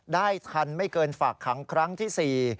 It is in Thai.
ได้ทันไม่เกินฝากขังครั้งที่๔